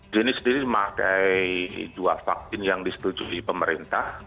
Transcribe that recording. jenis jenis memakai dua vaksin yang disetujui pemerintah